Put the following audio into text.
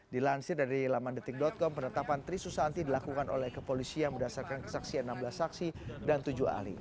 dilansir dari lamandetik com penetapan tri susanti dilakukan oleh kepolisian berdasarkan kesaksian enam belas saksi dan tujuh ahli